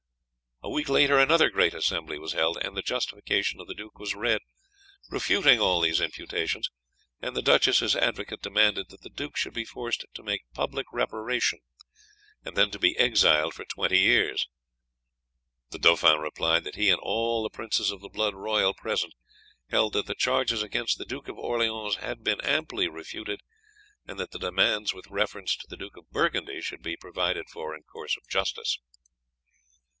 A week later another great assembly was held, and the justification of the duke was read, refuting all these imputations, and the duchess's advocate demanded that the duke should be forced to make public reparation, and then to be exiled for twenty years. The dauphin replied that he and all the princes of blood royal present held that the charges against the Duke of Orleans had been amply refuted, and that the demands with reference to the Duke of Burgundy should be provided for in course of justice.